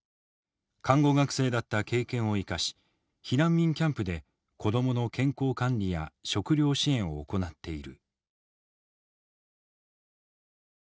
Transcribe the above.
看護学生だった経験を生かし避難民キャンプで子供の健康管理や食糧支援を行っている。